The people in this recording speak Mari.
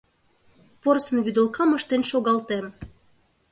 Порсын вӱдылкам ыштен шогалтем!